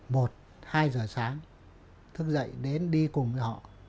một hai giờ sáng thức dậy đến đi cùng với họ